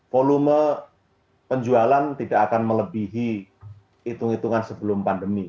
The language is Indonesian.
volume penjualan tidak akan melebihi hitung hitungan sebelum pandemi